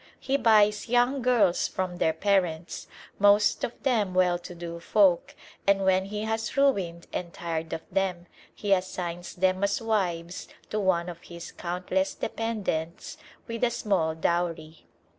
He buys young girls from their parents, most of them well to do folk, and when he has ruined and tired of them, he assigns them as wives to one of his countless dependents with a small dowry.